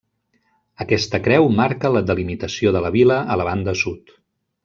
Aquesta creu marca la delimitació de la vila a la banda sud.